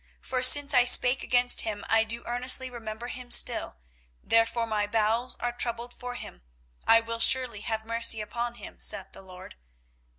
for since I spake against him, I do earnestly remember him still: therefore my bowels are troubled for him; I will surely have mercy upon him, saith the LORD.